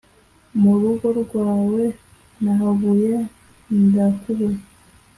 mu rugo rwawe nahavuye ndakubura